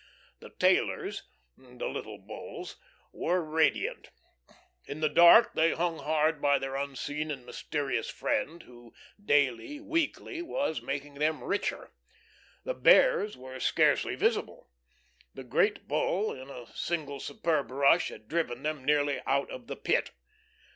The "tailers" the little Bulls were radiant. In the dark, they hung hard by their unseen and mysterious friend who daily, weekly, was making them richer. The Bears were scarcely visible. The Great Bull in a single superb rush had driven them nearly out of the Pit.